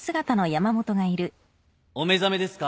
お目覚めですか？